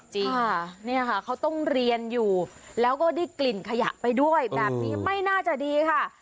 จริงค่ะเนี่ยค่ะเขาต้องเรียนอยู่แล้วก็ได้กลิ่นขยะไปด้วยแบบนี้ไม่น่าจะดีค่ะ